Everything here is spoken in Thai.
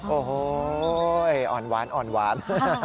โอ้โฮอ่อนหวาน